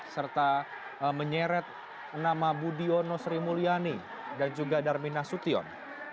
serta menyeret nama budiono sri mulyani dan juga darmin nasution